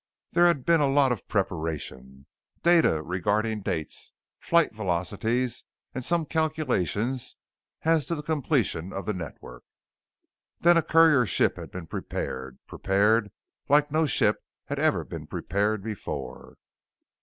There had been a lot of preparation: Data regarding dates, flight velocities, and some calculations as to the completion of the Network. Then a courier ship had been prepared prepared like no ship had ever been prepared before.